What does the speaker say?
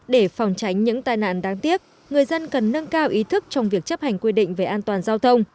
để phòng tránh những tai nạn đáng tiếc người dân cần nâng cao ý thức trong việc chấp hành quy định về an toàn giao thông